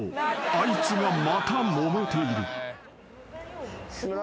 あいつがまたもめている］